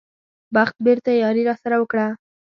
بخت بېرته یاري راسره وکړه.